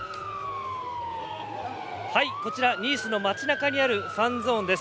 こちらニースの町なかにあるファンゾーンです。